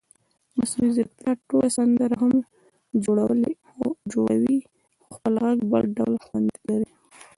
مصنوعي ځیرکتیا ټوله سندره هم جوړوي خو خپل غږ بل ډول خوند لري.